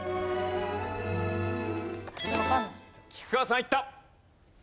菊川さんいった。